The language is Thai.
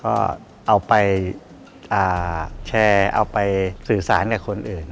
ก็เอาไปแชร์เอาไปสื่อสารกับคนอื่น